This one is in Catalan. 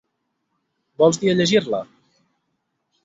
Vols dir a llegir-la?